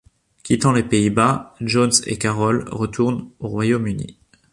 Quittant les Pays-Bas, Jones et Carol retournent au Royaume-Uni.